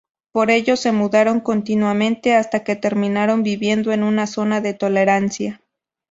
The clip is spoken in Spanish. Por ello, se mudaron continuamente hasta que terminaron viviendo, en una zona de tolerancia.